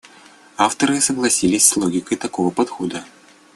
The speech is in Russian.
Авторы согласились с логикой такого подхода.